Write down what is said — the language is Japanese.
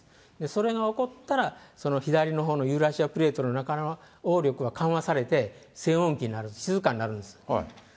それが起こったら、その左のほうのユーラシアプレートの中のおう力が緩和されて、静穏期になる、静かになるんです。